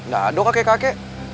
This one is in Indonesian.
gak ada kakek kakek